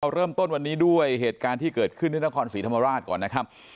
เริ่มต้นวันนี้ด้วยเหตุการณ์ที่เกิดขึ้นที่นครศรีธรรมราชก่อนนะครับ